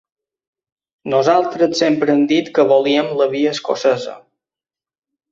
Nosaltres sempre hem dit que volíem la via escocesa.